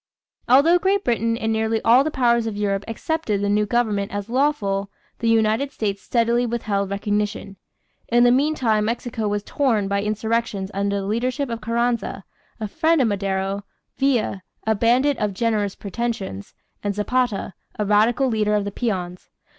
Although Great Britain and nearly all the powers of Europe accepted the new government as lawful, the United States steadily withheld recognition. In the meantime Mexico was torn by insurrections under the leadership of Carranza, a friend of Madero, Villa, a bandit of generous pretensions, and Zapata, a radical leader of the peons.